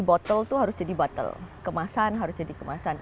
botol itu harus jadi botol kemasan harus jadi kemasan